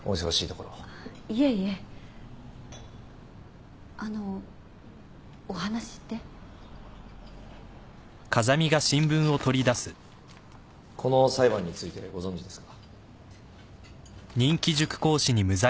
この裁判についてご存じですか？